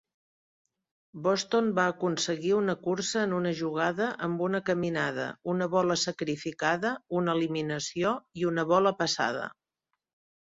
Boston va aconseguir una cursa en una jugada amb una caminada, una bola sacrificada, una eliminació i una bola passada.